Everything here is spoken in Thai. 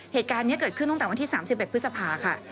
เหตุการณ์นี้เกิดขึ้นตั้งแต่วันที่๓๑พฤษภาค่ะ